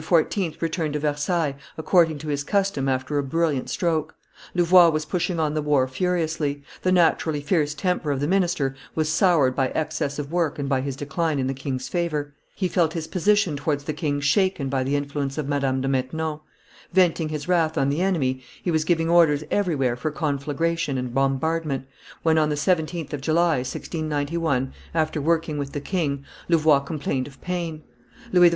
returned to Versailles, according to his custom after a brilliant stroke. Louvois was pushing on the war furiously; the naturally fierce temper of the minister was soured by excess of work and by his decline in the king's favor; he felt his position towards the king shaken by the influence of Madame de Maintenon; venting his wrath on the enemy, he was giving orders everywhere for conflagration and bombardment, when on the 17th of July, 1691, after working with the king, Louvois complained of pain; Louis XIV.